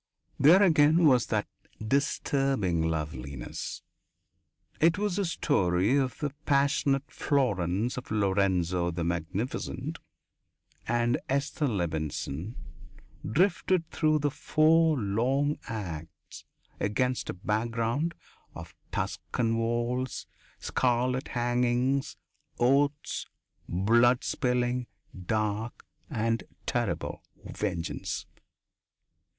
There again was that disturbing loveliness. It was a story of the passionate Florence of Lorenzo the Magnificent, and Esther Levenson drifted through the four long acts against a background of Tuscan walls, scarlet hangings, oaths, blood spilling, dark and terrible vengeance.